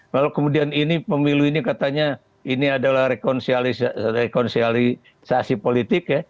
lalu kemudian ini pemilu ini katanya ini adalah rekonsilitasi politik ya